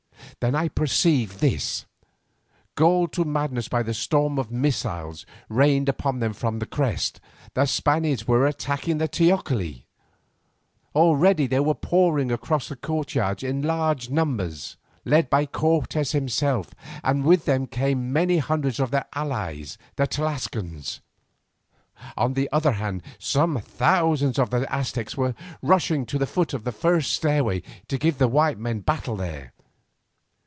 Then I perceived this: galled to madness by the storm of missiles rained upon them from its crest, the Spaniards were attacking the teocalli. Already they were pouring across the courtyard in large companies, led by Cortes himself, and with them came many hundreds of their allies the Tlascalans. On the other hand some thousands of the Aztecs were rushing to the foot of the first stairway to give the white men battle there.